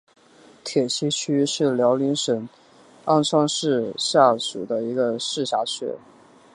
铁西区是辽宁省鞍山市下辖的一个市辖区。